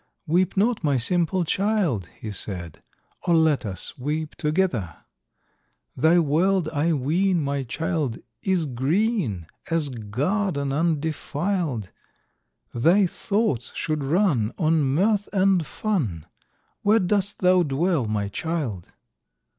Weep not, my simple child," he said, "Or let us weep together. Thy world, I ween, my child, is green, As garden undefil'd, Thy thoughts should run on mirth and fun,— Where dost thou dwell, my child?"